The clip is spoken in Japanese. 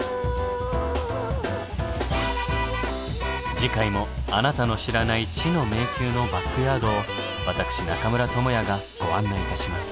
次回もあなたの知らない知の迷宮のバックヤードを私中村倫也がご案内いたします。